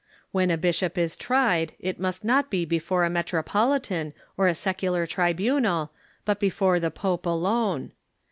When a bishop is tried, it must not be before a metropolitan or a secular tribunal, but before the pope alone.